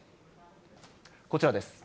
こちらです。